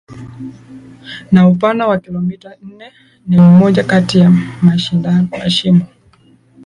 na upana wa kilometa nne ni moja kati ya mashimo